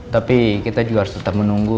tapi kita juga harus tetap menunggu